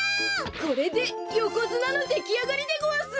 これでよこづなのできあがりでごわす！